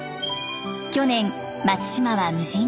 去年松島は無人島に。